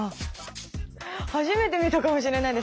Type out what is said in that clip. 初めて見たかもしれないです